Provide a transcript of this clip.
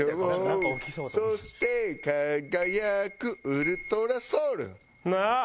「そして輝くウルトラソウル」